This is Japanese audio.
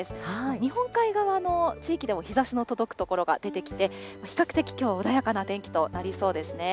日本海側の地域でも日ざしの届く所が出てきて、比較的、きょう、穏やかな天気となりそうですね。